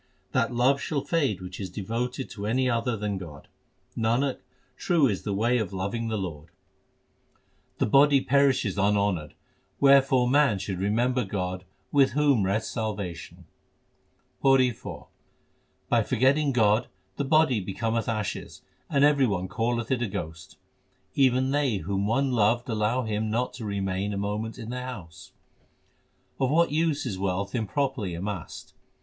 That love shall fade which is devoted to any other than God. Nanak, true is the way of loving the Lord. HYMNS OF GURU ARJAN 373 The body perishes unhonoured, wherefore man should remember God, with whom rests salvation : PAURI IV By forgetting God the body becometh ashes, and every one calleth it a ghost. Even they whom one loved allow him not to remain a moment in their house. Of what use is wealth improperly amassed